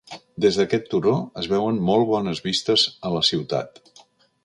Des d'aquest turó es veuen molt bones vistes a la ciutat.